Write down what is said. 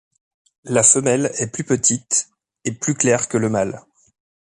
La femelle est plus petite et plus claire que le mâle.